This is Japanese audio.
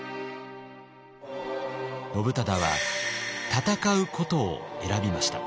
信忠は戦うことを選びました。